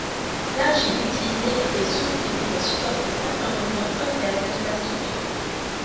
L'argile utilisée était souple et pouvait supporter certains mouvements internes de la structure.